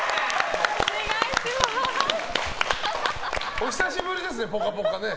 お久しぶりですね「ぽかぽか」ね。